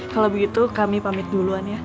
kalau begitu kami pamit duluan ya